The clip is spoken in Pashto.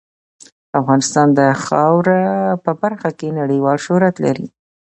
افغانستان د خاوره په برخه کې نړیوال شهرت لري.